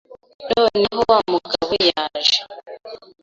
noneho wa mugabo yaje